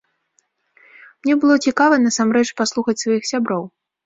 Мне было цікава насамрэч паслухаць сваіх сяброў.